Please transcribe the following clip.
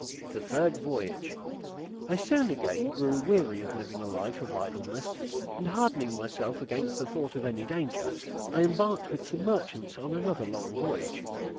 THE THIRD VOYAGE I soon again grew weary of living a life of idleness, and hardening myself against the thought of any danger, I embarked with some merchants on another long voyage.